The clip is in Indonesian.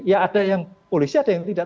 ya ada yang polisi ada yang tidak